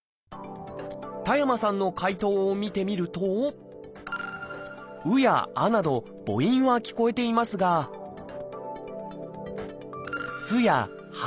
田山さんの解答を見てみると「う」や「あ」など母音は聞こえていますが「す」や「は」